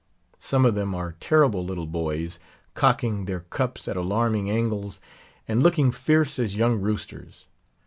Some of them are terrible little boys, cocking their cups at alarming angles, and looking fierce as young roosters.